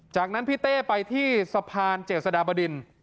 จากนั้นพี่เต้ไปที่สะพานเจษฎาบดิน